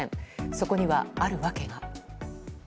そこにはある訳が。